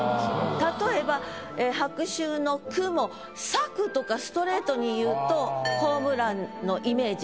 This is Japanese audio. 例えば。とかストレートにいうとホームランのイメージ。